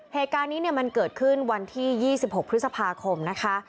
เหตุการณ์นี้มันเกิดขึ้นวันที่๒๖พฤษภาคมนะคะ